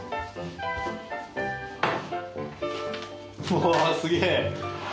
うわすげえ。